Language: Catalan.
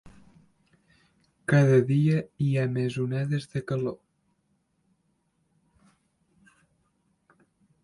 Cada dia hi ha més onades de calor.